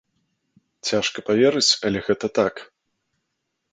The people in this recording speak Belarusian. Цяжка паверыць, але гэта так.